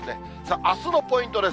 あすのポイントです。